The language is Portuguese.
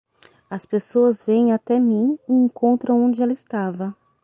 As pessoas vêm até mim e encontram onde ela estava.